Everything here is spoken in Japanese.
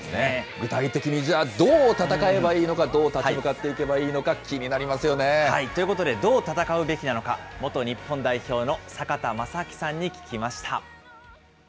具体的に、じゃあ、どう戦えばいいのか、どう立ち向かっていけばいいのか、気になりますよね。ということで、どう戦うべきなのか、元日本代表の坂田正彰さんに聞きました。